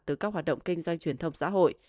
từ các hoạt động kinh doanh truyền thông xã hội